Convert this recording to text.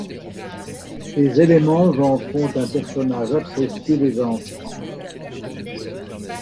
Ces éléments en font un personnage apprécié des enfants.